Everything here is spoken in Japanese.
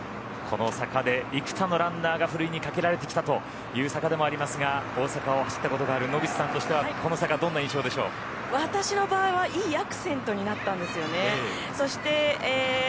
この坂で幾多のランナーがふるいにかけられてきたという坂でもありますが、大阪を走ったことがある野口さんとしては私の場合はいいアクセントになったんですよね。